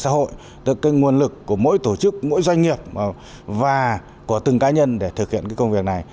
cộng đồng xã hội là nguồn lực của mỗi tổ chức mỗi doanh nghiệp và của từng cá nhân để thực hiện công việc này